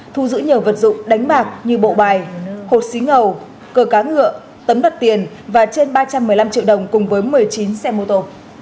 thu giữ nhiều vật dụng đánh bạc như bộ bài hột xí ngầu cờ cá ngựa tấm đặt tiền và trên ba trăm một mươi năm triệu đồng cùng với một mươi chín xe mô tô